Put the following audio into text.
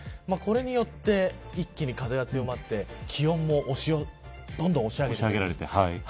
これによって一気に風が強まって気温もどんどん押し上げられて。